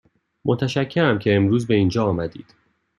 متشکرم که امروز به اینجا آمدید.